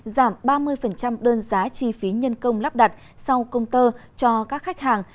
giảm ba mươi đơn giá chi phí nhân công lắp đặt sau công tơ cho các khách hàng